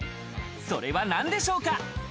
それは何でしょうか？